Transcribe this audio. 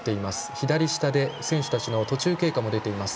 左下で選手たちの途中経過も出ています。